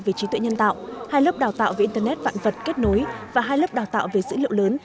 về trí tuệ nhân tạo hai lớp đào tạo về internet vạn vật kết nối và hai lớp đào tạo về dữ liệu lớn